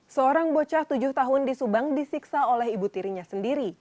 seorang bocah tujuh tahun di subang disiksa oleh ibu tirinya sendiri